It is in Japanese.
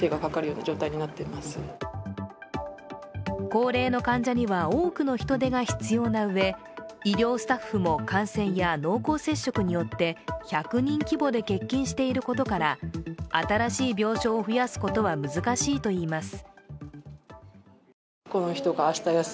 高齢の患者には多くの人手が必要なうえ医療スタッフも感染や濃厚接触によって１００人規模で欠勤していることから新しい病床を増やすことは難しいといいます。